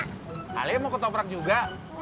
kalian mau ketoprak juga